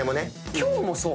今日もそう。